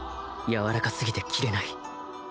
柔らかすぎて斬れない